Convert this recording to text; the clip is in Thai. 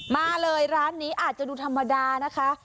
มาเลยร้านนี้อาจจะดูธรรมดานะคะ